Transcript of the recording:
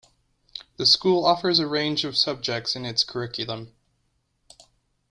The school offers a range of subjects in its curriculum.